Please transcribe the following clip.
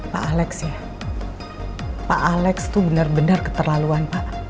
pak alex ya pak alex itu benar benar keterlaluan pak